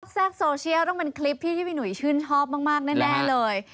แทรกโซเชียลต้องเป็นคลิปที่พี่หนุ่ยชื่นชอบมากแน่เลย